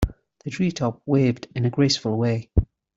The tree top waved in a graceful way.